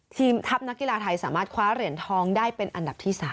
ทัพนักกีฬาไทยสามารถคว้าเหรียญทองได้เป็นอันดับที่๓